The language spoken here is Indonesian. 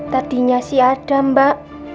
tadinya sih ada mbak